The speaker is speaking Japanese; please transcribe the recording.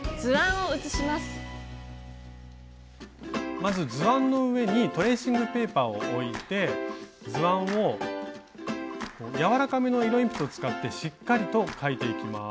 まず図案の上にトレーシングペーパーを置いて図案を軟らかめの色鉛筆を使ってしっかりと描いていきます。